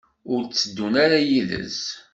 Ur tteddun ara yid-s?